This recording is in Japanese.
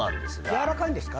軟らかいんですか？